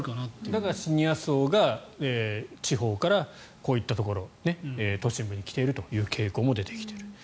だからシニア層が地方からこういったところ都心部に来ているという傾向も出てきている。